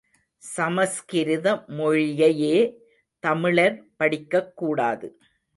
சமஸ்கிருத மொழியையே தமிழர் படிக்கக் கூடாது.